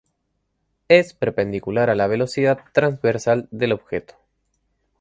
Es perpendicular a la velocidad transversal del objeto.